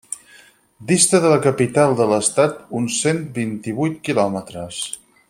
Dista de la capital de l'estat uns cent vint-i-vuit quilòmetres.